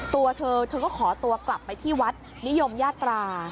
ตัวเธอเธอก็ขอตัวกลับไปที่วัดนิยมญาตรา